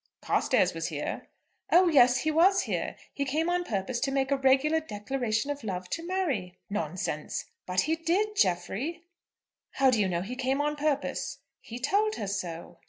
"Carstairs was here." "Oh, yes; he was here. He came on purpose to make a regular declaration of love to Mary." "Nonsense." "But he did, Jeffrey." "How do you know he came on purpose." "He told her so."